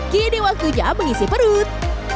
kini waktunya mengisi perut